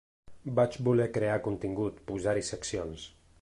Vaig voler crear contingut, posar-hi seccions.